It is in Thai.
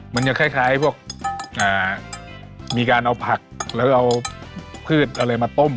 มันจะคล้ายพวกมีการเอาผักแล้วเอาพืชอะไรมาต้ม